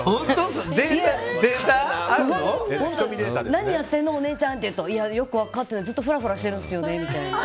何やってるのお姉ちゃんとか聞くとよく分かってないずっとフラフラしてるんですよみたいな。